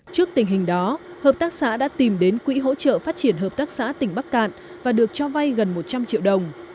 trước tình hình đó hợp tác xã đã tìm đến quỹ hỗ trợ phát triển hợp tác xã tỉnh bắc cạn và được cho vay gần một trăm linh triệu đồng